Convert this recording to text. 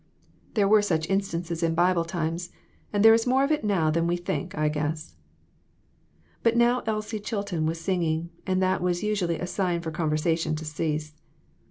There were such instances in Bible times, and there is more of it now than we think for, I guess." But now Elsie Chilton was singing, and that was usually a signal for conversation to cease.